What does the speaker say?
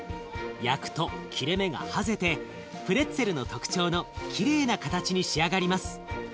焼くと切れ目がはぜてプレッツェルの特徴のきれいな形に仕上がります。